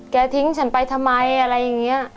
ทิ้งฉันไปทำไมอะไรอย่างนี้